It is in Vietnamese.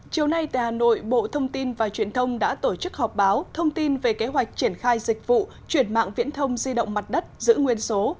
chiều nay tại hà nội bộ thông tin và truyền thông đã tổ chức họp báo thông tin về kế hoạch triển khai dịch vụ chuyển mạng viễn thông di động mặt đất giữ nguyên số